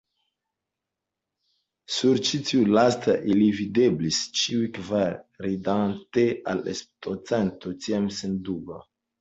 Sur ĉi lasta ili videblis ĉiuj kvar, ridante al estonteco tiam senduba.